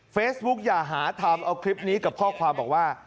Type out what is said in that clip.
อย่าหาทำเอาคลิปนี้กับข้อความบอกว่า